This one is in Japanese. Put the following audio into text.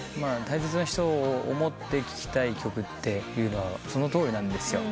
大切な人を思って聴きたい曲というのはそのとおりなんです。